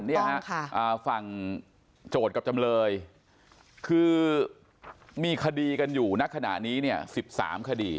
ต้องค่ะฝั่งโจทย์กับจำเลยคือมีคดีกันอยู่ณขณะนี้สิบสามคดี